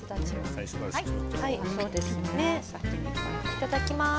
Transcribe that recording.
いただきます。